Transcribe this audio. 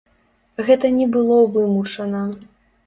Гэта не было вымучана.